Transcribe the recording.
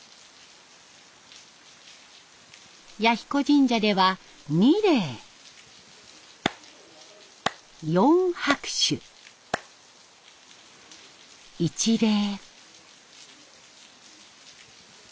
彌彦神社では二礼四拍手一礼。